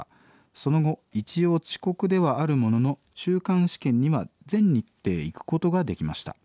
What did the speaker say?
その後一応遅刻ではあるものの中間試験には全日程行くことができました。